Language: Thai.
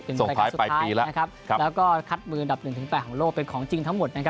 เป็นรายการสุดท้ายแล้วก็คัดมืออันดับ๑๘ของโลกเป็นของจริงทั้งหมด